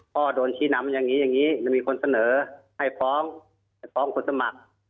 พ่อโดนชี้นำอย่างนี้อย่างนี้จะมีคนเสนอให้ฟ้องให้ฟ้องคนสมัคร